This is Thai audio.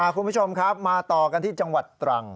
คุณผู้ชมครับมาต่อกันที่จังหวัดตรัง